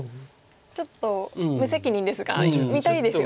ちょっと無責任ですが見たいですよね。